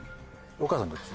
お母さんどっち？